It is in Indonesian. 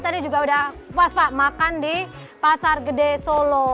tadi juga udah puas pak makan di pasar gede solo